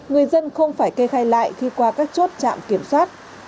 người dân không phải kê khai lại khi qua các chốt trạm kiểm soát